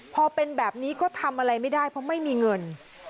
พอเป็นแบบนี้ก็ทำอะไรไม่ได้เพราะไม่มีเงิน